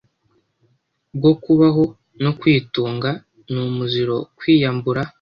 bwo kubaho no kwitunga. Ni umuziro kwiyambura